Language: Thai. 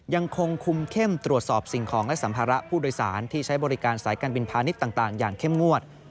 ยังคงคุมเข้มตรวจสอบสิ่งของและสัมภาระผู้โดยสารที่ใช้บริการสายการบินพาณิชย์ต่างอย่างเข้มงวด